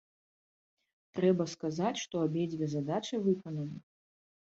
Трэба сказаць, што абедзве задачы выкананы.